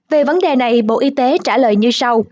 về vấn đề này bộ y tế trả lời như sau